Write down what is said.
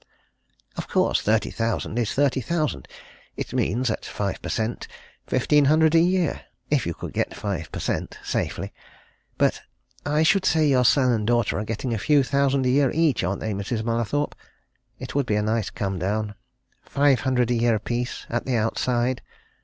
Of course, thirty thousand is thirty thousand it means, at five per cent., fifteen hundred a year if you could get five per cent. safely. But I should say your son and daughter are getting a few thousand a year each, aren't they, Mrs. Mallathorpe? It would be a nice come down! Five hundred a year apiece at the outside.